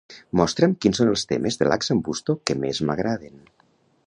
Mostra'm quins són els temes de Lax'n'Busto que més m'agraden.